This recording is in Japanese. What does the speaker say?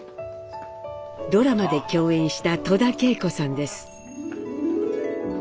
ドラマで共演した戸田恵子さんです。